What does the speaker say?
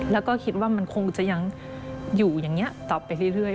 แล้วก็คิดว่ามันคงจะยังอยู่อย่างนี้ต่อไปเรื่อย